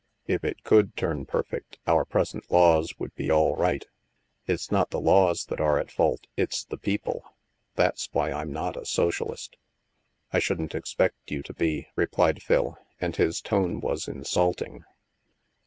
If it could turn perfect, our present laws would be all right. It's not the laws that are at fault, it's the people. That's why I'm not a socialist." " I shouldn't expect you to be," replied Phil, and his tone was insulting.